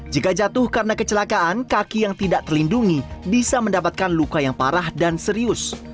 jika jatuh karena kecelakaan kaki yang tidak terlindungi bisa mendapatkan luka yang parah dan serius